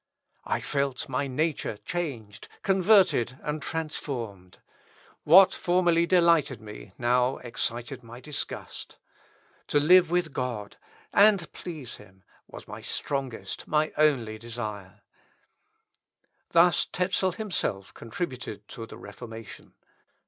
I felt my nature changed, converted, and transformed. What formerly delighted me now excited my disgust. To live with God, and please him, was my strongest, my only desire." Thus Tezel himself contributed to the Reformation.